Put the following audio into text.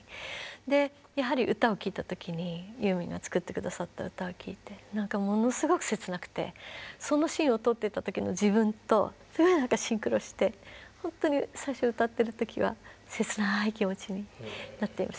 でやはり歌を聴いた時にユーミンが作って下さった歌を聴いて何かものすごく切なくてそのシーンを撮っていた時の自分とすごい何かシンクロしてほんとに最初歌ってる時は切ない気持ちになっていました。